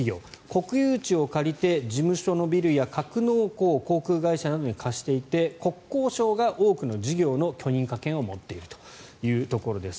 国有地を借りて事務所のビルや格納庫を航空会社などに貸していて国交省が多くの事業の許認可権を持っているというところです。